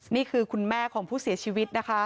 นี่คือคุณแม่ของผู้เสียชีวิตนะคะ